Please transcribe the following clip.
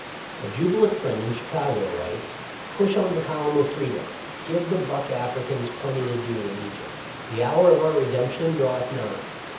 " A jubilant friend in Chicago writes : "Push on the column of freedom. Give the Buck Africans plenty to do in Egypt. The hour of our redemption draweth nigh.